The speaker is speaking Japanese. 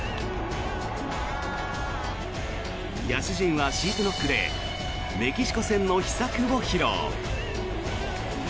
野手陣はシートノックでメキシコ戦の秘策を披露。